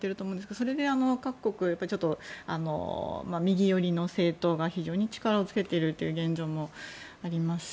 それで各国、右寄りの政党が非常に力をつけている現状もありますし